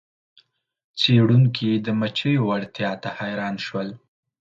څیړونکي د مچیو وړتیا ته حیران شول.